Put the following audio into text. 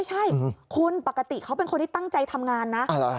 ใช่คุณปกติเขาเป็นคนที่ตั้งใจทำงานนะ